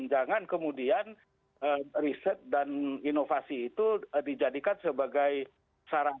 jangan kemudian riset dan inovasi itu dijadikan sebagai sarana